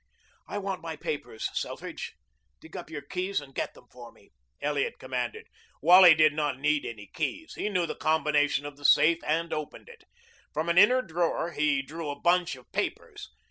"I want my papers, Selfridge. Dig up your keys and get them for me," Elliot commanded. Wally did not need any keys. He knew the combination of the safe and opened it. From an inner drawer he drew a bunch of papers.